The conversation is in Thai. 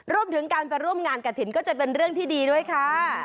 รวมถึงการไปร่วมงานกระถิ่นก็จะเป็นเรื่องที่ดีด้วยค่ะ